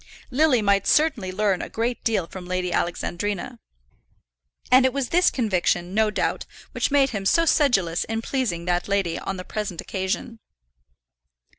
Lily might certainly learn a great deal from Lady Alexandrina; and it was this conviction, no doubt, which made him so sedulous in pleasing that lady on the present occasion.